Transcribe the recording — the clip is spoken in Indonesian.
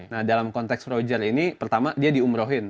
nah dalam konteks roger ini pertama dia diumrohin